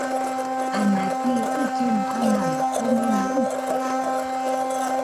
Anabi ille anamo, komɨnɨ ite.